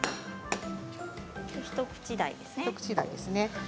一口大ですね。